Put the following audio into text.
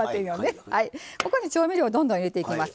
ここに調味料どんどん入れていきます。